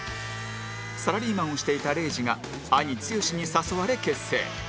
サラリーマンをしていた礼二が兄剛に誘われ結成